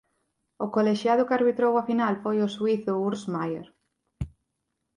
O colexiado que arbitrou a final foi o suízo Urs Meier.